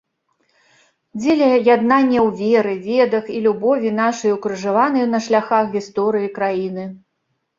Дзеля яднання ў веры, ведах і любові нашай укрыжаванай на шляхах гісторыі краіны.